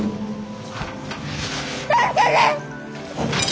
助けて！